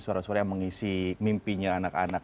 suara suaranya mengisi mimpinya anak anak